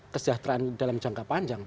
kesejahteraan dalam jangka panjang